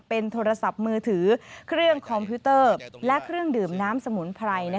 เป็นโทรศัพท์มือถือเครื่องคอมพิวเตอร์และเครื่องดื่มน้ำสมุนไพร